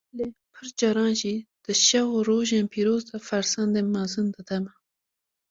lêbelê pir caran jî di şev û rojên pîroz de fersendên mezin dide me.